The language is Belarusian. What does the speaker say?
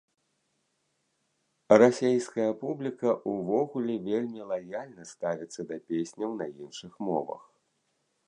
Расейская публіка ўвогуле вельмі лаяльна ставіцца да песняў на іншых мовах.